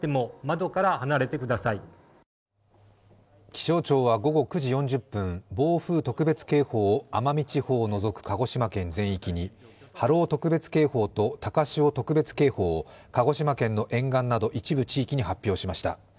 気象庁は午後９時４０分、暴風特別警報を奄美地方を除く鹿児島県全域に、波浪特別警報と高潮特別警報を鹿児島県の沿岸など一部地域に発表しました。